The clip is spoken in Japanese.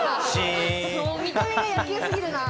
見た目が野球過ぎるな。